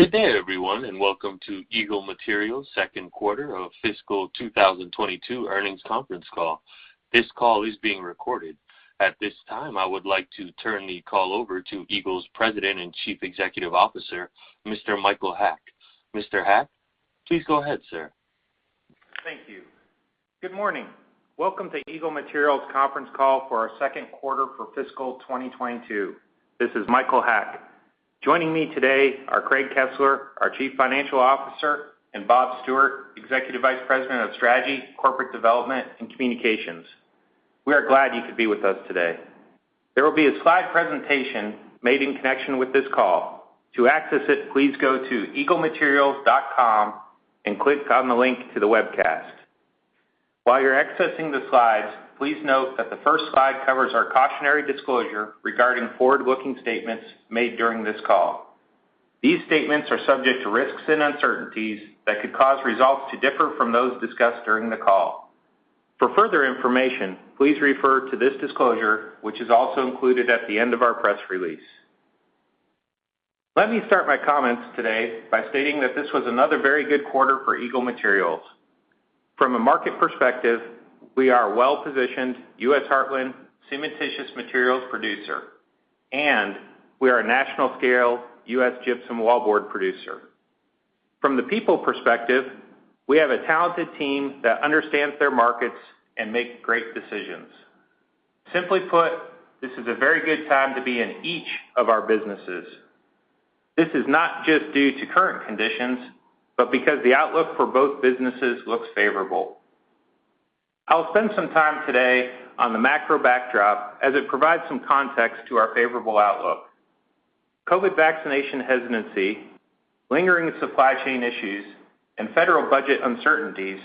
Good day, everyone, and welcome to Eagle Materials' second quarter of fiscal 2022 earnings conference call. This call is being recorded. At this time, I would like to turn the call over to Eagle's President and Chief Executive Officer, Mr. Michael Haack. Mr. Haack, please go ahead, sir. Thank you. Good morning. Welcome to Eagle Materials conference call for our second quarter for fiscal 2022. This is Michael Haack. Joining me today are Craig Kesler, our Chief Financial Officer, and Bob Stewart, Executive Vice President of Strategy, Corporate Development, and Communications. We are glad you could be with us today. There will be a slide presentation made in connection with this call. To access it, please go to eaglematerials.com and click on the link to the webcast. While you're accessing the slides, please note that the first slide covers our cautionary disclosure regarding forward-looking statements made during this call. These statements are subject to risks and uncertainties that could cause results to differ from those discussed during the call. For further information, please refer to this disclosure, which is also included at the end of our press release. Let me start my comments today by stating that this was another very good quarter for Eagle Materials. From a market perspective, we are a well-positioned U.S. Heartland cementitious materials producer, and we are a national-scale U.S. gypsum wallboard producer. From the people perspective, we have a talented team that understands their markets and make great decisions. Simply put, this is a very good time to be in each of our businesses. This is not just due to current conditions, but because the outlook for both businesses looks favorable. I will spend some time today on the macro backdrop as it provides some context to our favorable outlook. COVID vaccination hesitancy, lingering supply chain issues, and federal budget uncertainties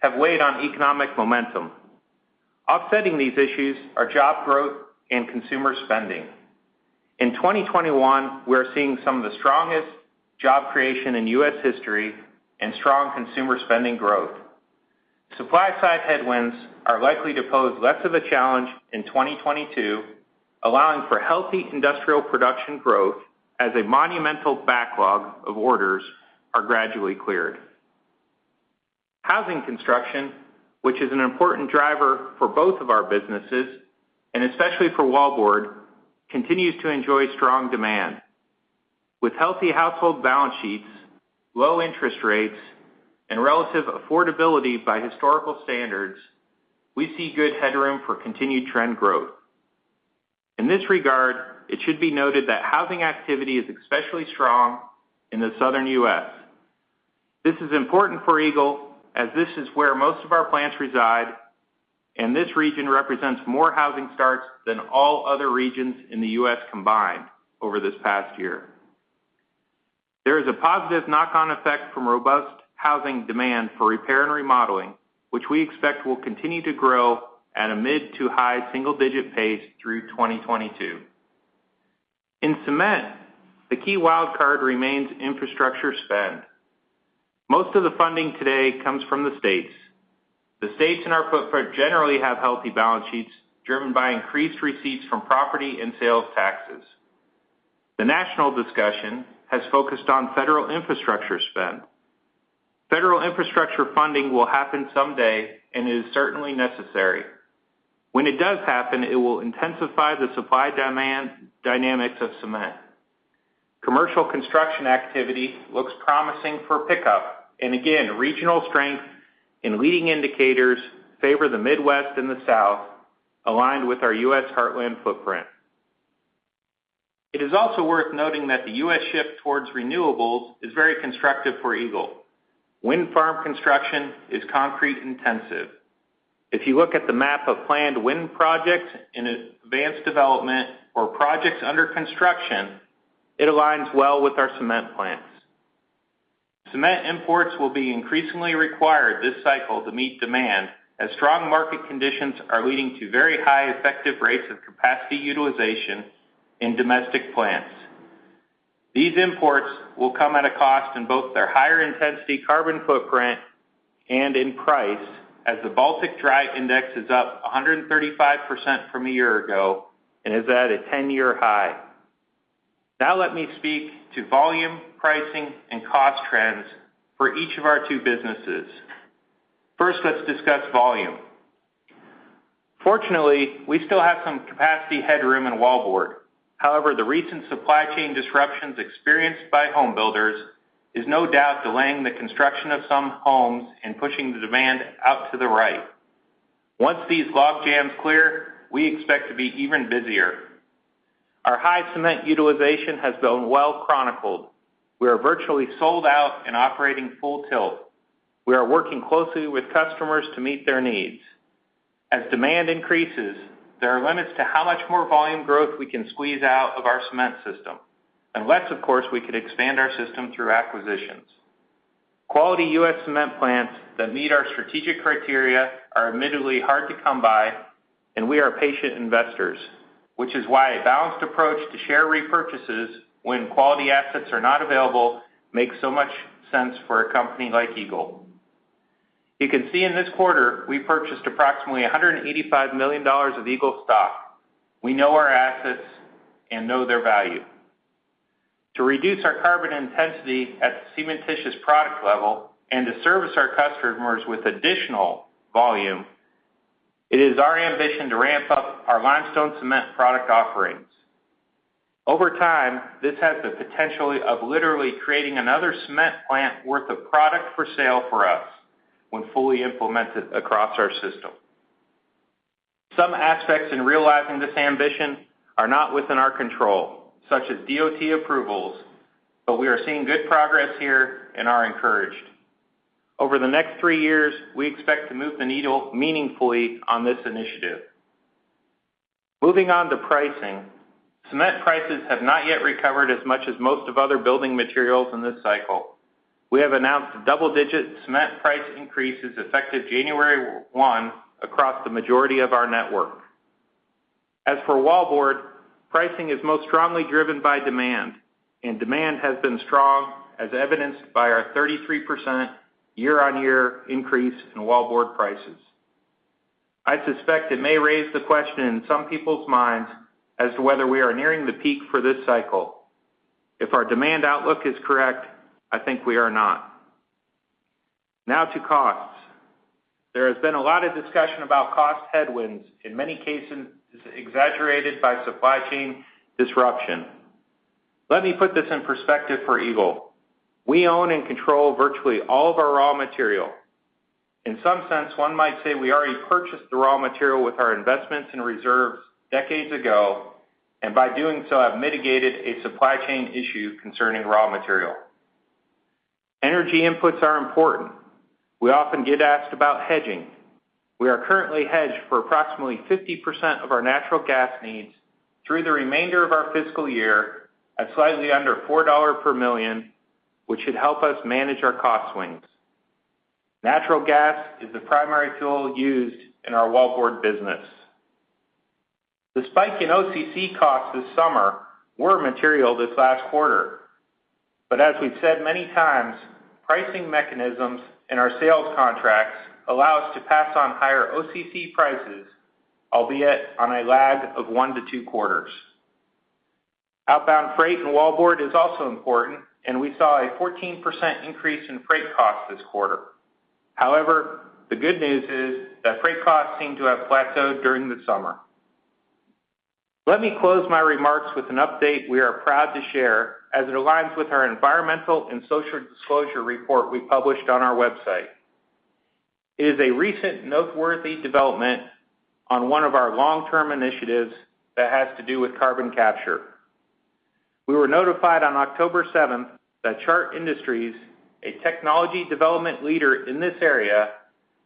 have weighed on economic momentum. Offsetting these issues are job growth and consumer spending. In 2021, we are seeing some of the strongest job creation in U.S. history and strong consumer spending growth. Supply-side headwinds are likely to pose less of a challenge in 2022, allowing for healthy industrial production growth as a monumental backlog of orders are gradually cleared. Housing construction, which is an important driver for both of our businesses, and especially for wallboard, continues to enjoy strong demand. With healthy household balance sheets, low interest rates, and relative affordability by historical standards, we see good headroom for continued trend growth. In this regard, it should be noted that housing activity is especially strong in the Southern U.S. This is important for Eagle as this is where most of our plants reside, and this region represents more housing starts than all other regions in the U.S. combined over this past year. There is a positive knock-on effect from robust housing demand for repair and remodeling, which we expect will continue to grow at a mid to high single-digit pace through 2022. In cement, the key wild card remains infrastructure spend. Most of the funding today comes from the states. The states in our footprint generally have healthy balance sheets, driven by increased receipts from property and sales taxes. The national discussion has focused on federal infrastructure spend. Federal infrastructure funding will happen someday and is certainly necessary. When it does happen, it will intensify the supply-demand dynamics of cement. Commercial construction activity looks promising for pickup. Again, regional strength and leading indicators favor the Midwest and the South, aligned with our U.S. Heartland footprint. It is also worth noting that the U.S. shift towards renewables is very constructive for Eagle. Wind farm construction is concrete-intensive. If you look at the map of planned wind projects in advanced development or projects under construction, it aligns well with our cement plants. Cement imports will be increasingly required this cycle to meet demand as strong market conditions are leading to very high effective rates of capacity utilization in domestic plants. These imports will come at a cost in both their higher intensity carbon footprint and in price as the Baltic Dry Index is up 135% from a year ago and is at a ten-year high. Now let me speak to volume, pricing, and cost trends for each of our two businesses. First, let's discuss volume. Fortunately, we still have some capacity headroom in wallboard. However, the recent supply chain disruptions experienced by home builders is no doubt delaying the construction of some homes and pushing the demand out to the right. Once these logjams clear, we expect to be even busier. Our high cement utilization has been well-chronicled. We are virtually sold out and operating full tilt. We are working closely with customers to meet their needs. As demand increases, there are limits to how much more volume growth we can squeeze out of our cement system, unless, of course, we could expand our system through acquisitions. Quality U.S. cement plants that meet our strategic criteria are admittedly hard to come by, and we are patient investors, which is why a balanced approach to share repurchases when quality assets are not available makes so much sense for a company like Eagle. You can see in this quarter, we purchased approximately $185 million of Eagle stock. We know our assets and know their value. To reduce our carbon intensity at the cementitious product level and to service our customers with additional volume, it is our ambition to ramp up our limestone cement product offerings. Over time, this has the potential of literally creating another cement plant worth of product for sale for us when fully implemented across our system. Some aspects in realizing this ambition are not within our control, such as DOT approvals, but we are seeing good progress here and are encouraged. Over the next three years, we expect to move the needle meaningfully on this initiative. Moving on to pricing. Cement prices have not yet recovered as much as most of other building materials in this cycle. We have announced double-digit cement price increases effective January 1 across the majority of our network. As for wallboard, pricing is most strongly driven by demand, and demand has been strong, as evidenced by our 33% year-on-year increase in wallboard prices. I suspect it may raise the question in some people's minds as to whether we are nearing the peak for this cycle. If our demand outlook is correct, I think we are not. Now to costs. There has been a lot of discussion about cost headwinds, in many cases, exaggerated by supply chain disruption. Let me put this in perspective for Eagle. We own and control virtually all of our raw material. In some sense, one might say we already purchased the raw material with our investments and reserves decades ago, and by doing so, have mitigated a supply chain issue concerning raw material. Energy inputs are important. We often get asked about hedging. We are currently hedged for approximately 50% of our natural gas needs through the remainder of our fiscal year at slightly under $4 per million, which should help us manage our cost swings. Natural gas is the primary tool used in our wallboard business. The spike in OCC costs this summer were material this last quarter. As we've said many times, pricing mechanisms in our sales contracts allow us to pass on higher OCC prices, albeit on a lag of 1-2 quarters. Outbound freight and wallboard is also important, and we saw a 14% increase in freight costs this quarter. However, the good news is that freight costs seem to have plateaued during the summer. Let me close my remarks with an update we are proud to share as it aligns with our environmental and social disclosure report we published on our website. It is a recent noteworthy development on one of our long-term initiatives that has to do with carbon capture. We were notified on October seventh that Chart Industries, a technology development leader in this area,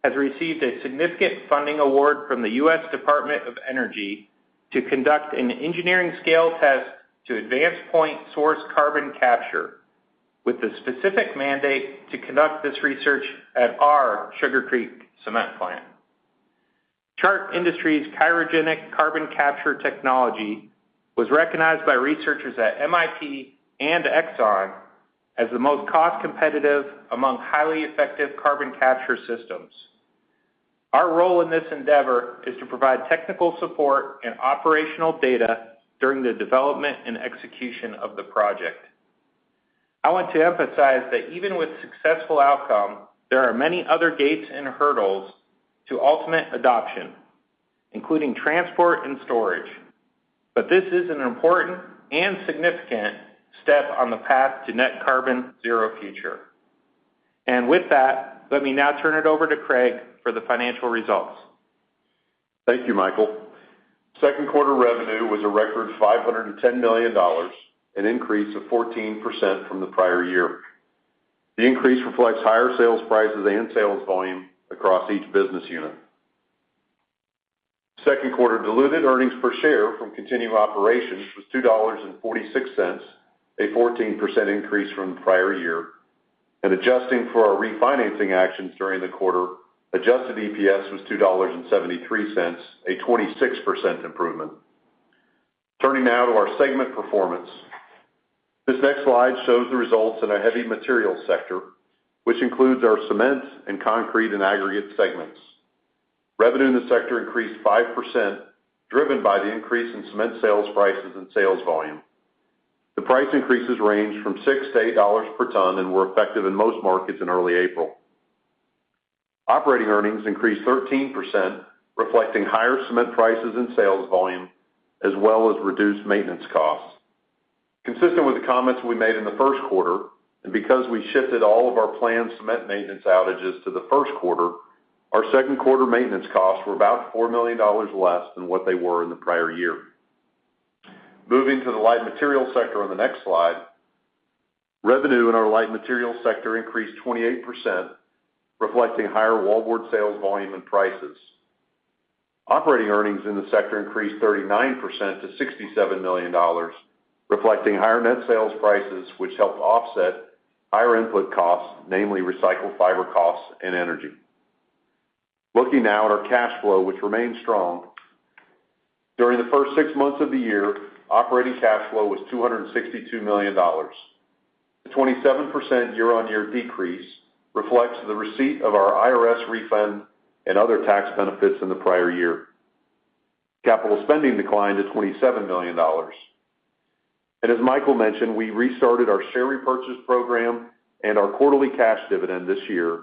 has received a significant funding award from the U.S. Department of Energy to conduct an engineering scale test to advance point-source carbon capture with the specific mandate to conduct this research at our Sugar Creek cement plant. Chart Industries' Cryogenic Carbon Capture technology was recognized by researchers at MIT and Exxon as the most cost-competitive among highly effective carbon capture systems. Our role in this endeavor is to provide technical support and operational data during the development and execution of the project. I want to emphasize that even with successful outcome, there are many other gates and hurdles to ultimate adoption, including transport and storage. This is an important and significant step on the path to net carbon zero future. With that, let me now turn it over to Craig for the financial results. Thank you, Michael. Second quarter revenue was a record $510 million, an increase of 14% from the prior year. The increase reflects higher sales prices and sales volume across each business unit. Second quarter diluted earnings per share from continuing operations was $2.46, a 14% increase from the prior year, and adjusting for our refinancing actions during the quarter, adjusted EPS was $2.73, a 26% improvement. Turning now to our segment performance. This next slide shows the results in our heavy material sector, which includes our cement and concrete and aggregate segments. Revenue in the sector increased 5%, driven by the increase in cement sales prices and sales volume. The price increases range from $6-$8 per ton and were effective in most markets in early April. Operating earnings increased 13%, reflecting higher cement prices and sales volume, as well as reduced maintenance costs. Consistent with the comments we made in the first quarter, because we shifted all of our planned cement maintenance outages to the first quarter, our second quarter maintenance costs were about $4 million less than what they were in the prior year. Moving to the light material sector on the next slide, revenue in our light material sector increased 28%, reflecting higher wallboard sales volume and prices. Operating earnings in the sector increased 39% to $67 million, reflecting higher net sales prices, which helped offset higher input costs, namely recycled fiber costs and energy. Looking now at our cash flow, which remains strong. During the first six months of the year, operating cash flow was $262 million. The 27% year-on-year decrease reflects the receipt of our IRS refund and other tax benefits in the prior year. Capital spending declined to $27 million. As Michael Haack mentioned, we restarted our share repurchase program and our quarterly cash dividend this year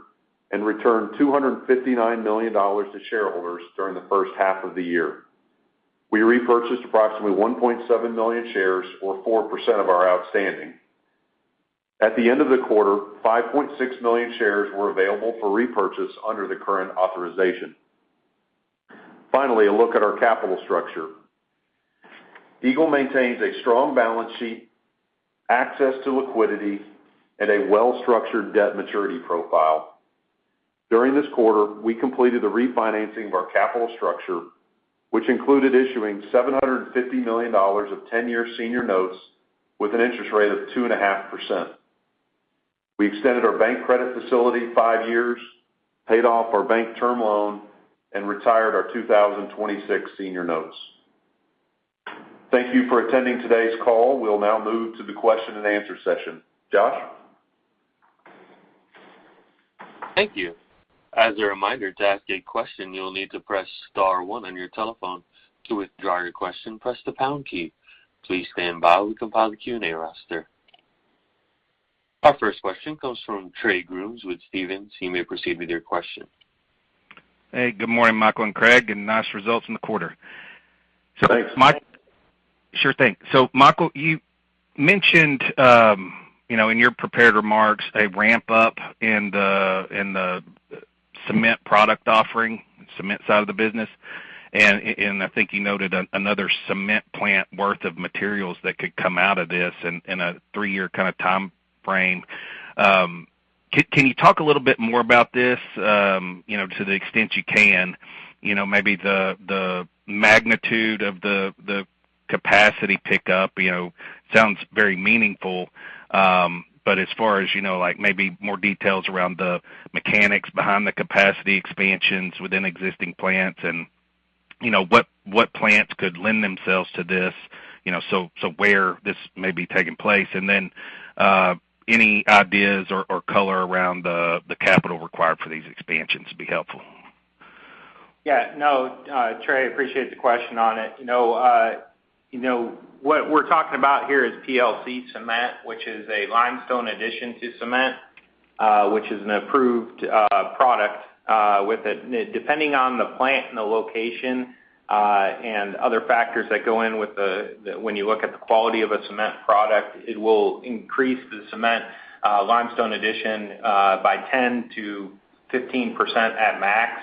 and returned $259 million to shareholders during the first half of the year. We repurchased approximately 1.7 million shares or 4% of our outstanding. At the end of the quarter, 5.6 million shares were available for repurchase under the current authorization. Finally, a look at our capital structure. Eagle maintains a strong balance sheet, access to liquidity, and a well-structured debt maturity profile. During this quarter, we completed the refinancing of our capital structure, which included issuing $750 million of ten-year senior notes with an interest rate of 2.5%. We extended our bank credit facility five years, paid off our bank term loan, and retired our 2026 senior notes. Thank you for attending today's call. We'll now move to the question and answer session. Josh? Thank you. As a reminder, to ask a question, you'll need to press star one on your telephone. To withdraw your question, press the pound key. Please stand by. We compile the Q&A roster. Our first question comes from Trey Grooms with Stephens. You may proceed with your question. Hey, good morning, Michael and Craig, and nice results in the quarter. Thanks. Sure thing. Michael, you mentioned, you know, in your prepared remarks, a ramp-up in the cement product offering, cement side of the business. I think you noted another cement plant worth of materials that could come out of this in a 3-year kind of timeframe. Can you talk a little bit more about this, you know, to the extent you can? You know, maybe the magnitude of the capacity pickup, you know, sounds very meaningful. As far as you know, like maybe more details around the mechanics behind the capacity expansions within existing plants and, you know, what plants could lend themselves to this, you know, so where this may be taking place. Any ideas or color around the capital required for these expansions would be helpful. Yeah, no, Trey, I appreciate the question on it. You know, you know, what we're talking about here is PLC cement, which is a limestone addition to cement, which is an approved product with it. Depending on the plant and the location, and other factors that go in with, when you look at the quality of a cement product, it will increase the cement limestone addition by 10%-15% at max.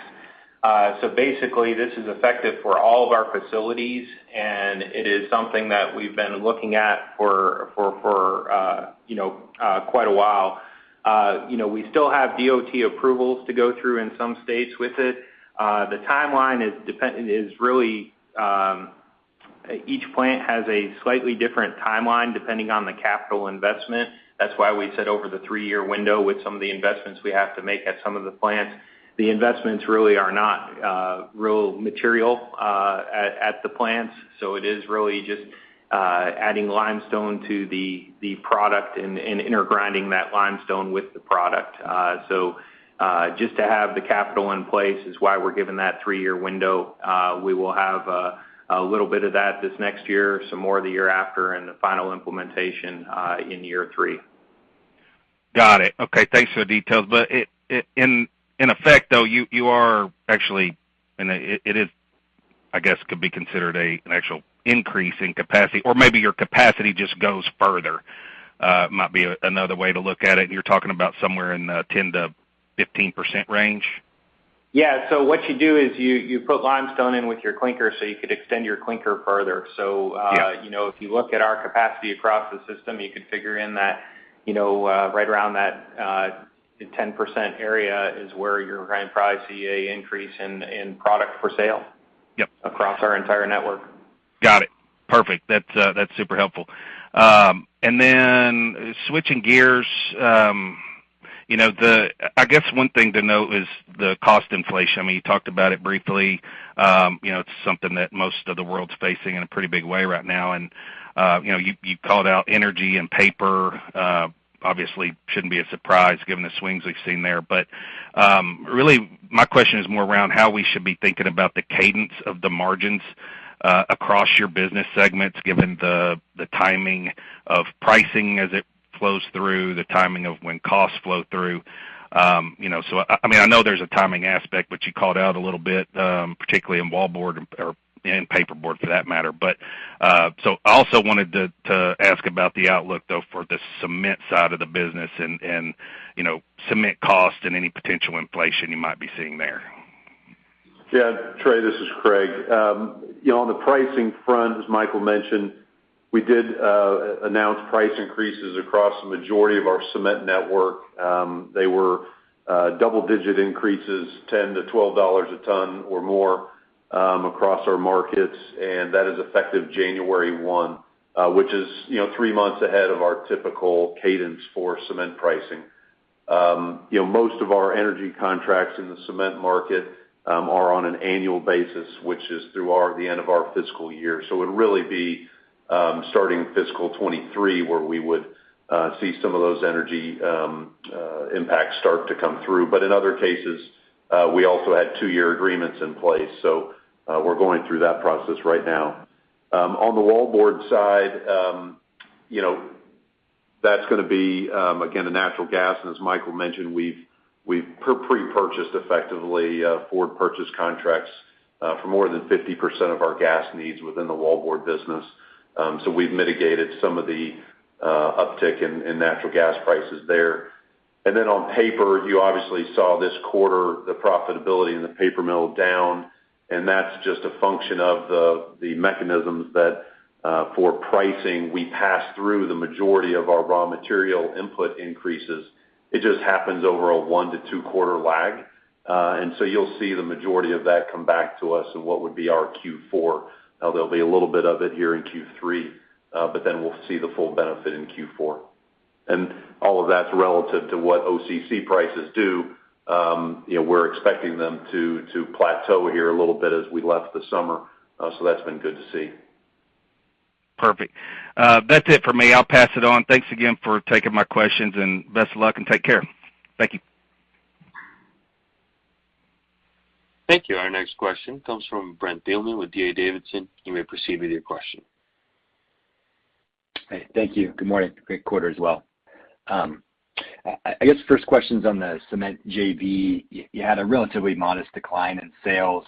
So basically this is effective for all of our facilities, and it is something that we've been looking at for, you know, quite a while. You know, we still have DOT approvals to go through in some states with it. The timeline is really, each plant has a slightly different timeline depending on the capital investment. That's why we said over the three-year window with some of the investments we have to make at some of the plants. The investments really are not real material at the plants. It is really just adding limestone to the product and intergrinding that limestone with the product. Just to have the capital in place is why we're given that three-year window. We will have a little bit of that this next year, some more the year after, and the final implementation in year three. Got it. Okay, thanks for the details. In effect, though, you are actually, and it is I guess could be considered an actual increase in capacity, or maybe your capacity just goes further. Might be another way to look at it. You're talking about somewhere in the 10%-15% range. Yeah. What you do is you put limestone in with your clinker, so you could extend your clinker further. Yeah. You know, if you look at our capacity across the system, you could figure in that, you know, right around that, 10% area is where you're gonna probably see a increase in product for sale. Yep. Across our entire network. Got it. Perfect. That's super helpful. Then switching gears, I guess one thing to note is the cost inflation. I mean, you talked about it briefly. It's something that most of the world's facing in a pretty big way right now. You called out energy and paper, obviously shouldn't be a surprise given the swings we've seen there. Really my question is more around how we should be thinking about the cadence of the margins across your business segments, given the timing of pricing as it flows through, the timing of when costs flow through. I mean, I know there's a timing aspect, but you called out a little bit, particularly in wallboard or in paperboard for that matter. I also wanted to ask about the outlook, though, for the cement side of the business and you know, cement cost and any potential inflation you might be seeing there. Yeah. Trey, this is Craig. You know, on the pricing front, as Michael mentioned, we did announce price increases across the majority of our cement network. They were double-digit increases, $10-$12 a ton or more, across our markets, and that is effective January 1, which is, you know, three months ahead of our typical cadence for cement pricing. You know, most of our energy contracts in the cement market are on an annual basis, which is through the end of our fiscal year. It would really be starting fiscal 2023 where we would see some of those energy impacts start to come through. In other cases, we also had two-year agreements in place. We're going through that process right now. On the wallboard side, you know, that's gonna be again, the natural gas. As Michael mentioned, we've prepurchased effectively forward purchase contracts for more than 50% of our gas needs within the wallboard business. We've mitigated some of the uptick in natural gas prices there. On paper, you obviously saw this quarter the profitability in the paper mill down, and that's just a function of the mechanisms that for pricing, we pass through the majority of our raw material input increases. It just happens over a 1-2 quarter lag. You'll see the majority of that come back to us in what would be our Q4. Now there'll be a little bit of it here in Q3, but then we'll see the full benefit in Q4. All of that's relative to what OCC prices do. We're expecting them to plateau here a little bit as we leave the summer. That's been good to see. Perfect. That's it for me. I'll pass it on. Thanks again for taking my questions, and best of luck and take care. Thank you. Thank you. Our next question comes from Brent Thielman with D.A. Davidson. You may proceed with your question. Hey, thank you. Good morning. Great quarter as well. I guess first question's on the cement JV. You had a relatively modest decline in sales.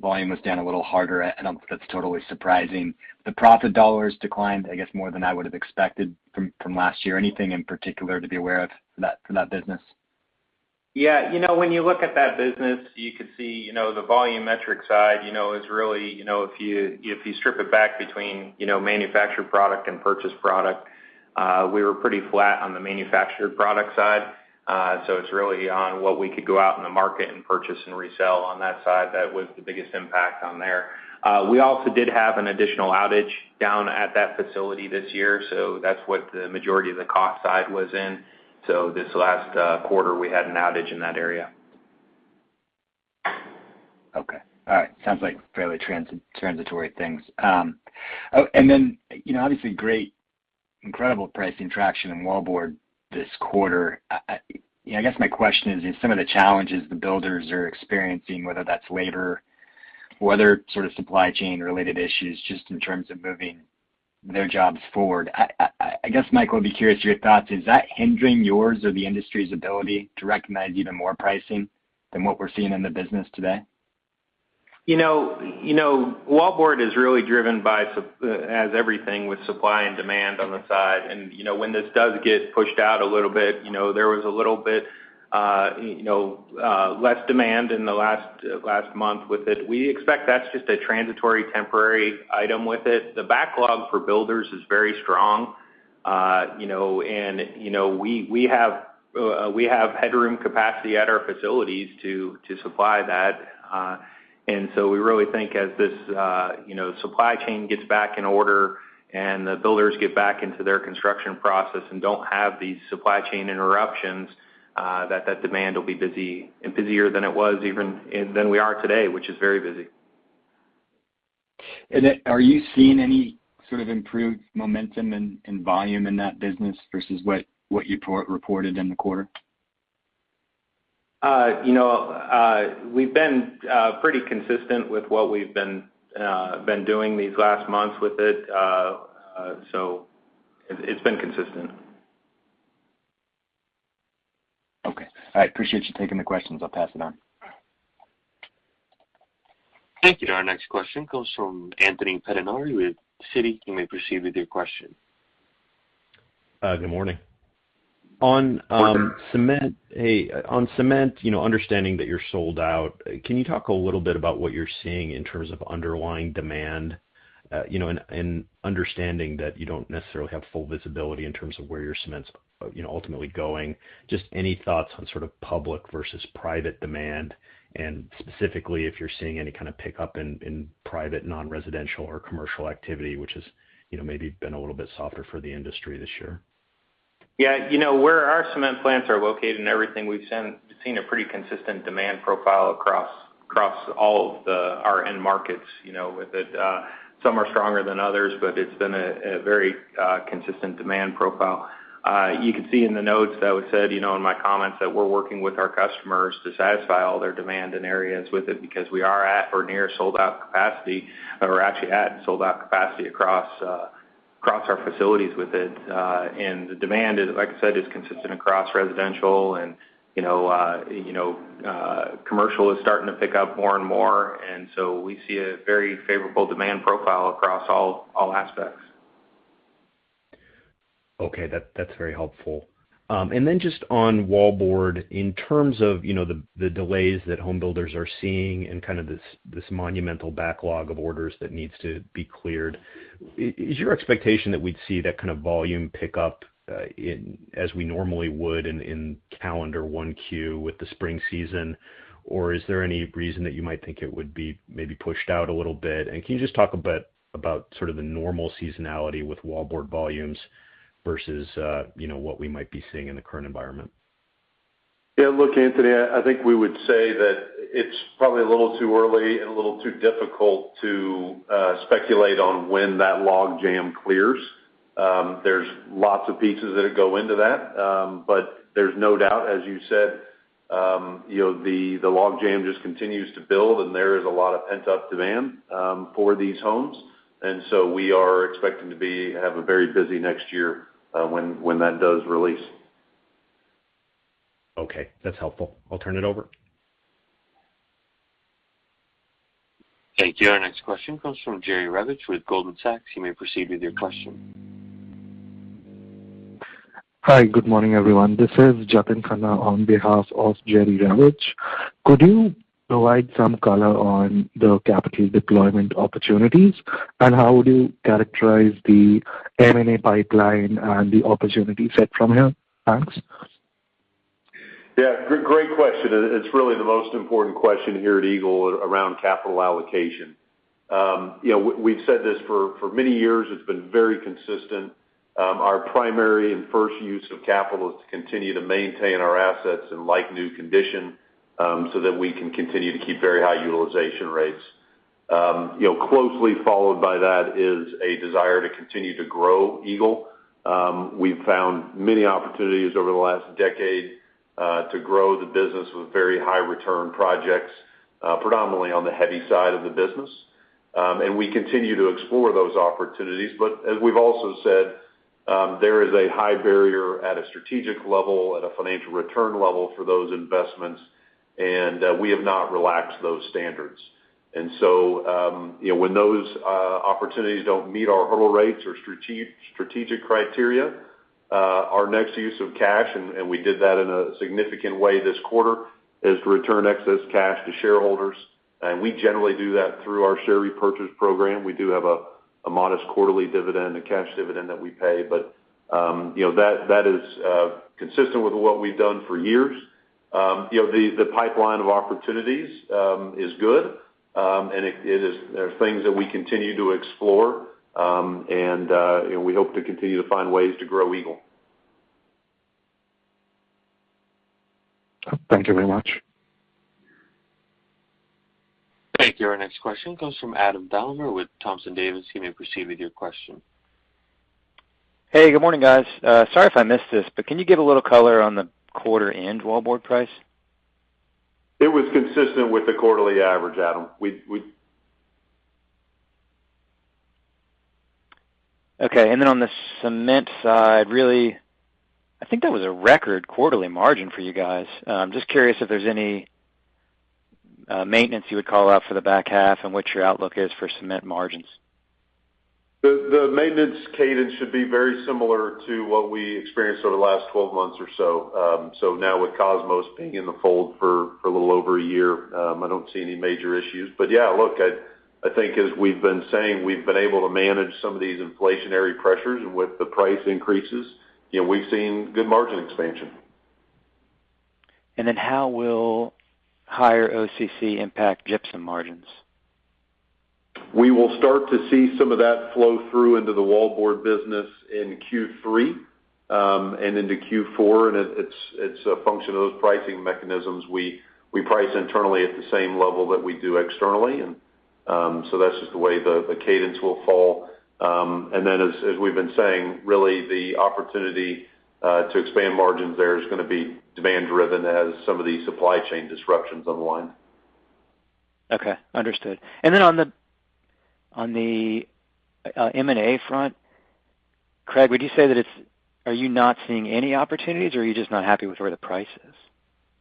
Volume was down a little harder. I don't think that's totally surprising. The profit dollars declined, I guess, more than I would have expected from last year. Anything in particular to be aware of for that business? Yeah. You know, when you look at that business, you could see, you know, the volume metric side, you know, is really, you know, if you strip it back between, you know, manufactured product and purchased product, we were pretty flat on the manufactured product side. So it's really on what we could go out in the market and purchase and resell on that side. That was the biggest impact on there. We also did have an additional outage down at that facility this year, so that's what the majority of the cost side was in. This last quarter, we had an outage in that area. Okay. All right. Sounds like fairly transitory things. Oh, and then, you know, obviously, great, incredible pricing traction in wallboard this quarter. You know, I guess my question is some of the challenges the builders are experiencing, whether that's labor or other sort of supply chain-related issues, just in terms of moving their jobs forward, I guess, Michael, I'd be curious your thoughts. Is that hindering yours or the industry's ability to recognize even more pricing than what we're seeing in the business today? You know, wallboard is really driven by as everything with supply and demand on the side. You know, when this does get pushed out a little bit, you know, there was a little bit less demand in the last month with it. We expect that's just a transitory temporary item with it. The backlog for builders is very strong, you know. You know, we have headroom capacity at our facilities to supply that. We really think as this supply chain gets back in order and the builders get back into their construction process and don't have these supply chain interruptions, that demand will be busy and busier than it was and than we are today, which is very busy. Are you seeing any sort of improved momentum and volume in that business versus what you reported in the quarter? You know, we've been pretty consistent with what we've been doing these last months with it. It's been consistent. Okay. All right. Appreciate you taking the questions. I'll pass it on. Thank you. Our next question comes from Anthony Pettinari with Citi. You may proceed with your question. Good morning. On cement, you know, understanding that you're sold out, can you talk a little bit about what you're seeing in terms of underlying demand? You know, and understanding that you don't necessarily have full visibility in terms of where your cement's, you know, ultimately going, just any thoughts on sort of public versus private demand, and specifically, if you're seeing any kind of pickup in private non-residential or commercial activity, which has, you know, maybe been a little bit softer for the industry this year. Yeah. You know, where our cement plants are located and everything, we've seen a pretty consistent demand profile across all of our end markets, you know, within it. Some are stronger than others, but it's been a very consistent demand profile. You could see in the notes that we said, you know, in my comments, that we're working with our customers to satisfy all their demand in areas within it because we are at or near sold out capacity, or we're actually at sold out capacity across our facilities within it. The demand is, like I said, consistent across residential and, you know, commercial is starting to pick up more and more. We see a very favorable demand profile across all aspects. Okay. That's very helpful. Just on wallboard, in terms of the delays that home builders are seeing and kind of this monumental backlog of orders that needs to be cleared, is your expectation that we'd see that kind of volume pick up in, as we normally would in calendar 1Q with the spring season? Or is there any reason that you might think it would be maybe pushed out a little bit? Can you just talk a bit about sort of the normal seasonality with wallboard volumes versus what we might be seeing in the current environment? Yeah. Look, Anthony, I think we would say that it's probably a little too early and a little too difficult to speculate on when that logjam clears. There's lots of pieces that go into that. There's no doubt, as you said, you know, the logjam just continues to build, and there is a lot of pent-up demand for these homes. We are expecting to have a very busy next year when that does release. Okay, that's helpful. I'll turn it over. Thank you. Our next question comes from Jerry Revich with Goldman Sachs. You may proceed with your question. Hi, good morning, everyone. This is Jatin Khanna on behalf of Jerry Revich. Could you provide some color on the capital deployment opportunities? How would you characterize the M&A pipeline and the opportunity set from here? Thanks. Yeah, great question. It's really the most important question here at Eagle around capital allocation. You know, we've said this for many years, it's been very consistent. Our primary and first use of capital is to continue to maintain our assets in like-new condition, so that we can continue to keep very high utilization rates. You know, closely followed by that is a desire to continue to grow Eagle. We've found many opportunities over the last decade to grow the business with very high return projects, predominantly on the heavy side of the business. We continue to explore those opportunities. As we've also said, there is a high barrier at a strategic level, at a financial return level for those investments, and we have not relaxed those standards. You know, when those opportunities don't meet our hurdle rates or strategic criteria, our next use of cash, and we did that in a significant way this quarter, is to return excess cash to shareholders. We generally do that through our share repurchase program. We do have a modest quarterly dividend, a cash dividend that we pay. You know, that is consistent with what we've done for years. You know, the pipeline of opportunities is good. And it is, there are things that we continue to explore, and you know, we hope to continue to find ways to grow Eagle. Thank you very much. Thank you. Our next question comes from Adam Thalhimer with Thompson Davis. You may proceed with your question. Hey, good morning, guys. Sorry if I missed this, but can you give a little color on the quarter-end wallboard price? It was consistent with the quarterly average, Adam. We Okay. On the cement side, really, I think that was a record quarterly margin for you guys. Just curious if there's any maintenance you would call out for the back half and what your outlook is for cement margins. The maintenance cadence should be very similar to what we experienced over the last 12 months or so. Now with Kosmos being in the fold for a little over a year, I don't see any major issues. Yeah, look, I think as we've been saying, we've been able to manage some of these inflationary pressures with the price increases. You know, we've seen good margin expansion. How will higher OCC impact gypsum margins? We will start to see some of that flow through into the wallboard business in Q3, and into Q4, and it's a function of those pricing mechanisms. We price internally at the same level that we do externally. That's just the way the cadence will fall. As we've been saying, really the opportunity to expand margins there is gonna be demand-driven as some of the supply chain disruptions unwind. Okay, understood. Then on the M&A front, Craig, would you say that it's? Are you not seeing any opportunities, or are you just not happy with where the price is?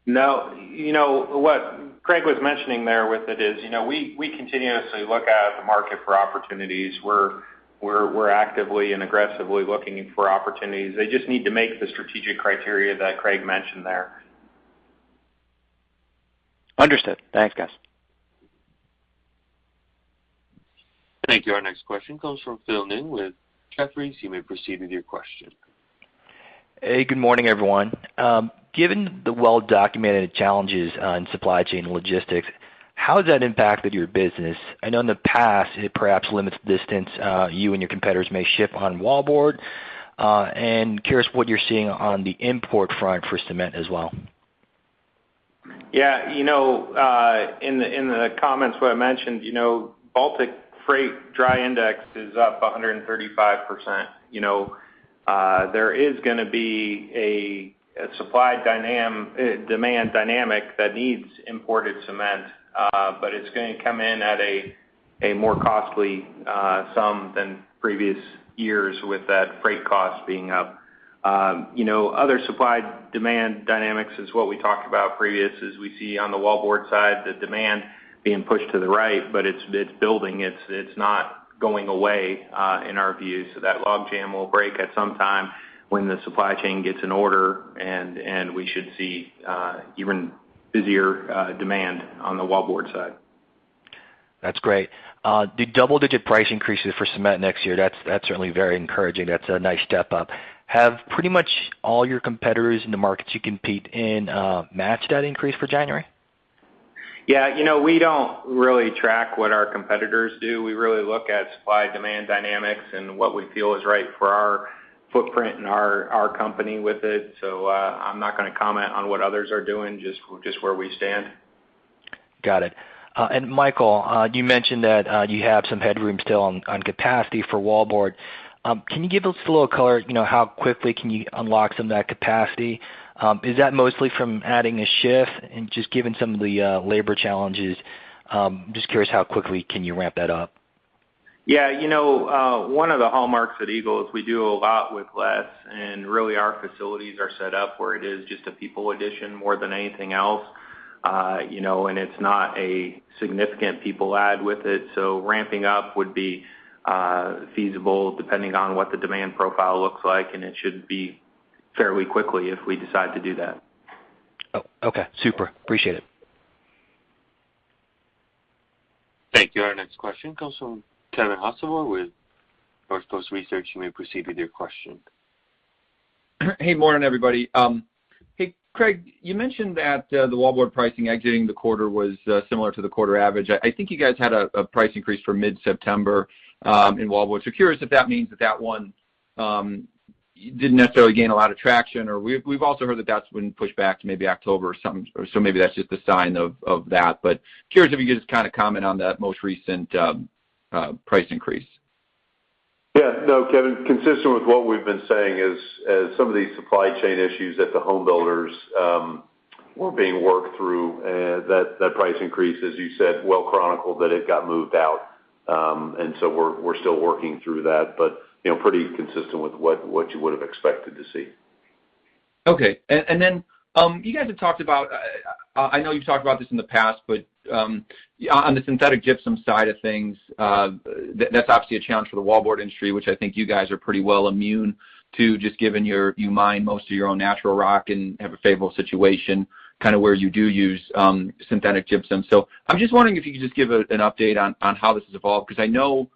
No. You know, what Craig was mentioning there with it is, you know, we continuously look at the market for opportunities. We're actively and aggressively looking for opportunities. They just need to meet the strategic criteria that Craig mentioned there. Understood. Thanks, guys. Thank you. Our next question comes from Phil Ng with Jefferies. You may proceed with your question. Hey, good morning, everyone. Given the well-documented challenges on supply chain logistics, how has that impacted your business? I know in the past it perhaps limits the distance you and your competitors may ship on wallboard. Curious what you're seeing on the import front for cement as well. Yeah. You know, in the comments where I mentioned, you know, Baltic Dry Index is up 135%. You know, there is gonna be a supply demand dynamic that needs imported cement, but it's gonna come in at a more costly sum than previous years with that freight cost being up. You know, other supply-demand dynamics is what we talked about previously is we see on the wallboard side, the demand being pushed to the right, but it's building. It's not going away, in our view. That logjam will break at some time when the supply chain gets in order and we should see even busier demand on the wallboard side. That's great. The double-digit price increases for cement next year, that's certainly very encouraging. That's a nice step up. Have pretty much all your competitors in the markets you compete in matched that increase for January? Yeah, you know, we don't really track what our competitors do. We really look at supply-demand dynamics and what we feel is right for our footprint and our company with it. So, I'm not gonna comment on what others are doing, just where we stand. Got it. Michael, you mentioned that you have some headroom still on capacity for wallboard. Can you give us a little color, you know, how quickly can you unlock some of that capacity? Is that mostly from adding a shift and just given some of the labor challenges, just curious how quickly can you ramp that up? Yeah, you know, one of the hallmarks at Eagle is we do a lot with less, and really our facilities are set up where it is just a people addition more than anything else. You know, it's not a significant people add with it, so ramping up would be feasible depending on what the demand profile looks like, and it should be fairly quickly if we decide to do that. Oh, okay. Super. Appreciate it. Thank you. Our next question comes from Kevin Hocevar with Northcoast Research. You may proceed with your question. Hey, morning, everybody. Hey, Craig, you mentioned that the wallboard pricing exiting the quarter was similar to the quarter average. I think you guys had a price increase for mid-September in wallboard, so curious if that means that one didn't necessarily gain a lot of traction or we've also heard that that's been pushed back to maybe October or something, so maybe that's just a sign of that. Curious if you could just kinda comment on that most recent price increase. Yeah. No, Kevin, consistent with what we've been saying is, as some of these supply chain issues at the home builders were being worked through, that price increase, as you said, well chronicled that it got moved out. We're still working through that, but you know, pretty consistent with what you would have expected to see. Okay. You guys have talked about, I know you've talked about this in the past, but on the synthetic gypsum side of things, that's obviously a challenge for the wallboard industry, which I think you guys are pretty well immune to, just given you mine most of your own natural rock and have a favorable situation kind of where you do use synthetic gypsum. I'm just wondering if you could give an update on how this has evolved, because I know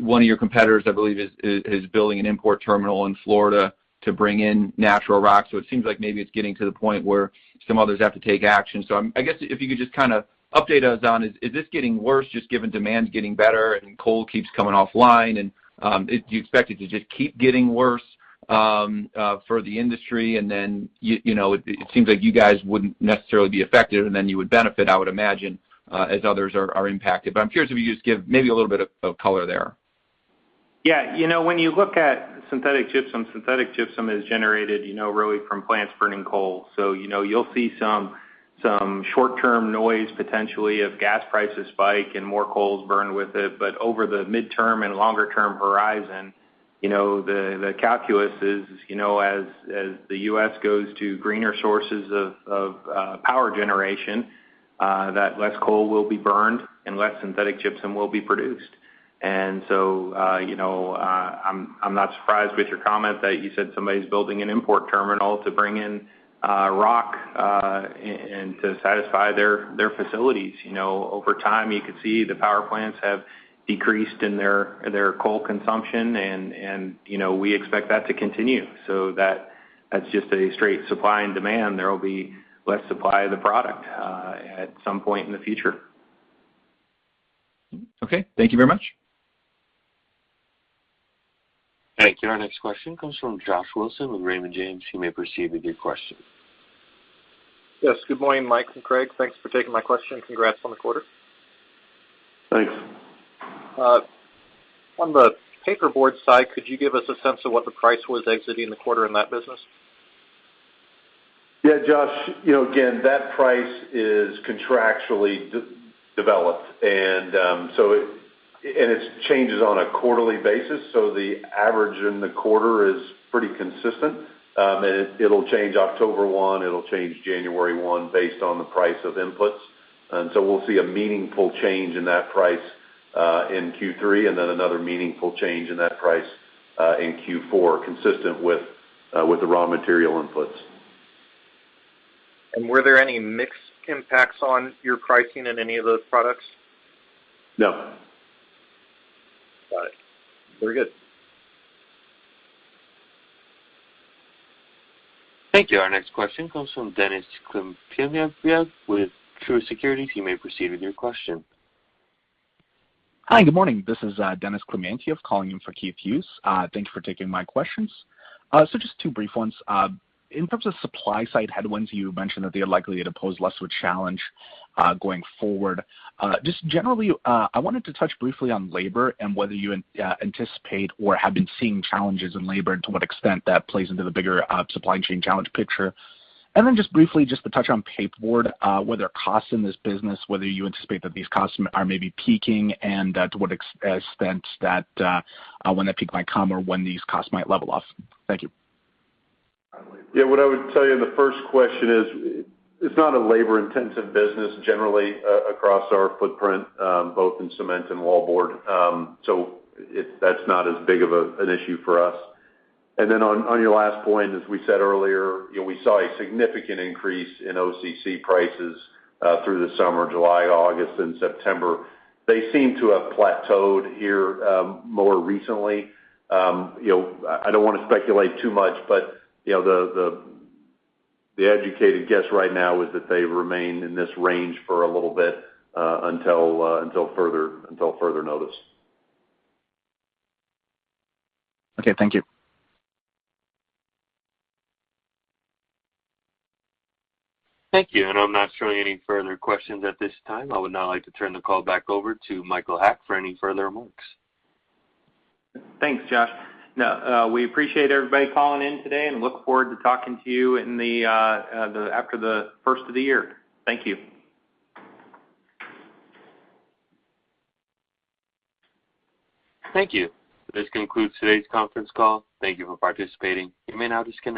one of your competitors, I believe, is building an import terminal in Florida to bring in natural rock. It seems like maybe it's getting to the point where some others have to take action. I guess, if you could just kinda update us on is this getting worse just given demand's getting better and coal keeps coming offline and do you expect it to just keep getting worse for the industry? You know, it seems like you guys wouldn't necessarily be affected and then you would benefit, I would imagine, as others are impacted. I'm curious if you could just give maybe a little bit of color there. Yeah, you know, when you look at synthetic gypsum, synthetic gypsum is generated, you know, really from plants burning coal. You know, you'll see some short-term noise potentially if gas prices spike and more coal is burned with it. Over the midterm and longer-term horizon, you know, the calculus is, you know, as the U.S. goes to greener sources of power generation, that less coal will be burned and less synthetic gypsum will be produced. You know, I'm not surprised with your comment that you said somebody's building an import terminal to bring in rock, and to satisfy their facilities. You know, over time, you could see the power plants have decreased in their coal consumption and, you know, we expect that to continue. That, that's just a straight supply and demand. There will be less supply of the product at some point in the future. Okay, thank you very much. Thank you. Our next question comes from Josh Wilson with Raymond James. You may proceed with your question. Yes, good morning, Mike and Craig. Thanks for taking my question. Congrats on the quarter. Thanks. On the paperboard side, could you give us a sense of what the price was exiting the quarter in that business? Yeah, Josh, you know, again, that price is contractually developed and so it changes on a quarterly basis, so the average in the quarter is pretty consistent. It'll change October 1, it'll change January 1 based on the price of inputs. We'll see a meaningful change in that price in Q3 and then another meaningful change in that price in Q4, consistent with the raw material inputs. Were there any mix impacts on your pricing in any of those products? No. Got it. We're good. Thank you. Our next question comes from Dennis Klimantyev with Truist Securities. You may proceed with your question. Hi, good morning. This is Dennis Klimantyev calling in for Keith Hughes. Thank you for taking my questions. Just two brief ones. In terms of supply-side headwinds, you mentioned that they are likely to pose less of a challenge going forward. Just generally, I wanted to touch briefly on labor and whether you anticipate or have been seeing challenges in labor, and to what extent that plays into the bigger supply chain challenge picture. Just briefly, just to touch on paperboard, whether costs in this business, whether you anticipate that these costs are maybe peaking and, to what extent that, when that peak might come or when these costs might level off. Thank you. Yeah, what I would tell you in the first question is it's not a labor-intensive business generally across our footprint, both in cement and wallboard. That's not as big of an issue for us. On your last point, as we said earlier, you know, we saw a significant increase in OCC prices through the summer, July, August and September. They seem to have plateaued here more recently. You know, I don't wanna speculate too much, but you know, the educated guess right now is that they remain in this range for a little bit until further notice. Okay, thank you. Thank you. I'm not showing any further questions at this time. I would now like to turn the call back over to Michael Haack for any further remarks. Thanks, Josh. No, we appreciate everybody calling in today and look forward to talking to you after the first of the year. Thank you. Thank you. This concludes today's conference call. Thank you for participating. You may now disconnect.